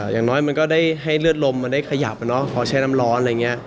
อย่างน้อยมันก็ได้ให้เลือดลมมันได้ขยับพอใช้น้ำร้อนอะไรอย่างนี้